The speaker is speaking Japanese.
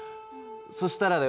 そしたらだよ